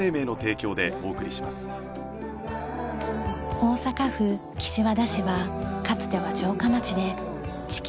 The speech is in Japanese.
大阪府岸和田市はかつては城下町で千亀